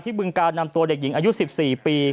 บึงการนำตัวเด็กหญิงอายุ๑๔ปี